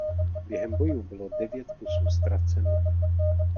Během bojů bylo devět kusů ztraceno.